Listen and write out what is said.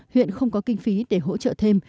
huyện không có kinh phí để hỗ trợ thêm